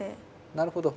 なるほど。